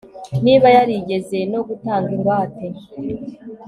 niba yarigeze no gutanga ingwate